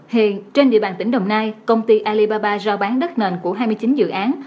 hiện trên địa bàn tỉnh đồng nai công ty alibaba giao bán đất nền của hai mươi chín dự án